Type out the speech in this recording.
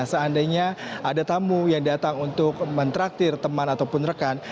seandainya ada tamu yang datang untuk mentraktir teman ataupun rekan